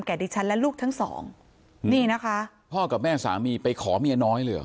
ดิฉันและลูกทั้งสองนี่นะคะพ่อกับแม่สามีไปขอเมียน้อยเลยเหรอ